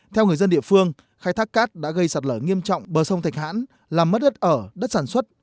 theo người dân địa phương khai thác cát đã gây sạt lở nghiêm trọng bờ sông thạch hãn làm mất đất ở đất sản xuất